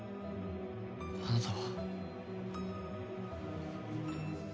あなたは。